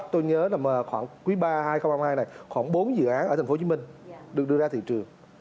tôi nhớ là khoảng quý ba hai nghìn hai mươi hai này khoảng bốn dự án ở tp hcm được đưa ra thị trường